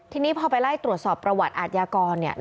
ทีนี้พอไปไล่ตรวจสอบประวัติอาทยากร